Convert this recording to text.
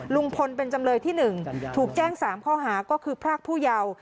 ลุงพลเป็นจำเลยที่๑ถูกแจ้ง๓ข้อหาก็คือพรากผู้เยาว์